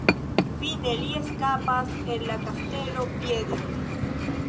Fine, li eskapas el la kastelo piede.